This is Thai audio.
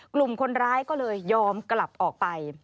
กลุ่มคนร้ายก็เลยยอมกลับออกไป